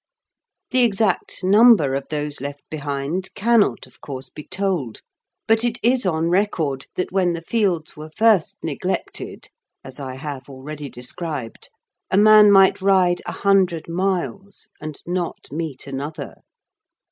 The exact number of those left behind cannot, of course, be told, but it is on record that when the fields were first neglected (as I have already described), a man might ride a hundred miles and not meet another.